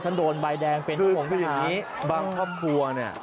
ฉันโดนใบแดงคือคืออย่างงี้บางครอบครัวเนี้ย